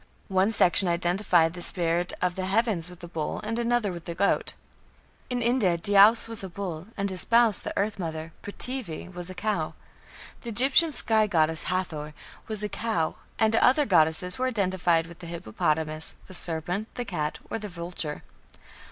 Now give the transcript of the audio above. One section identified the spirit of the heavens with the bull and another with the goat. In India Dyaus was a bull, and his spouse, the earth mother, Prithivi, was a cow. The Egyptian sky goddess Hathor was a cow, and other goddesses were identified with the hippopotamus, the serpent, the cat, or the vulture.